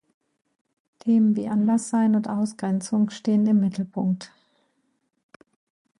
Themen wie Anderssein und Ausgrenzung stehen im Mittelpunkt.